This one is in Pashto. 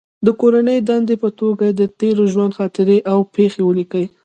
د کورنۍ دندې په توګه یې د تېر ژوند خاطرې او پېښې ولیکلې.